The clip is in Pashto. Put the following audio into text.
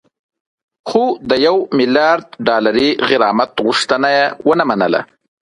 خو د یو میلیارد ډالري غرامت غوښتنه یې ونه منله